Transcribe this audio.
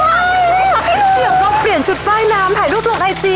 เดี๋ยวลองเปลี่ยนชุดว่ายน้ำถ่ายรูปลงไอจี